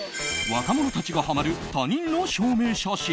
若者たちがハマる他人の証明写真。